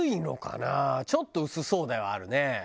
ちょっと薄そうではあるね。